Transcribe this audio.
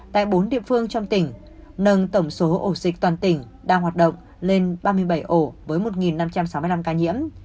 tại bốn địa phương trong tỉnh nâng tổng số ổ dịch toàn tỉnh đang hoạt động lên ba mươi bảy ổ với một năm trăm sáu mươi năm ca nhiễm